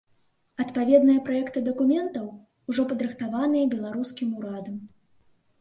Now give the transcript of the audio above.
Адпаведныя праекты дакументаў ужо падрыхтаваныя беларускім урадам.